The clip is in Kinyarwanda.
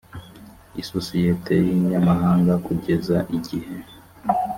isosiyete y inyamahanga kugeza igihe